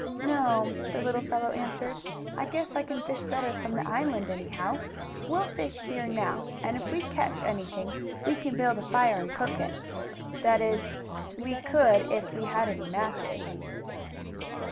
"No," the little fellow answered. "I guess I can fish better from the island, anyhow. We'll fish here now, and if we catch anything we can build a fire and cook it. That is, we could if we had any matches."